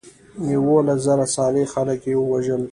یولس زره صالح خلک یې وژل.